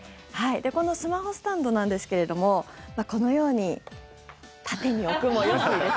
このスマホスタンドなんですけれどもこのように縦に置くもよし。